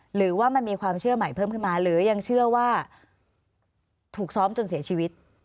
หรือว่ามันมีความเชื่อใหม่เพิ่มขึ้นมาหรือยังเชื่อว่าถูกซ้อมจนเสียชีวิต